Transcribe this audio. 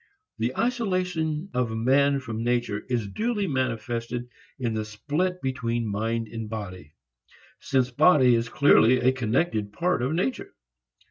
The isolation of man from nature is duly manifested in the split between mind and body since body is clearly a connected part of nature.